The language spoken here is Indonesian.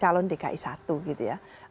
calon dki satu gitu ya